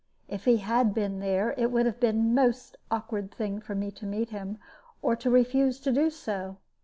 If he had been there, it would have been a most awkward thing for me to meet him, or to refuse to do so.